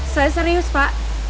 saya serius pak